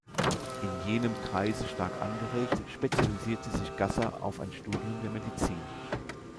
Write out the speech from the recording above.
In jenem Kreise stark angeregt, spezialisierte sich Gasser auf ein Studium der Medizin.